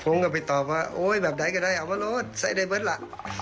ผมก็ไปตอบว่าโอ๊ยแบบไหนก็ได้เอามารถใส่ในเบิร์ตล่ะ